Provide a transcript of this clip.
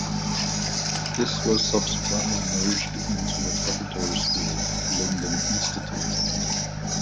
This was subsequently merged into a preparatory school, Lyndon Institute.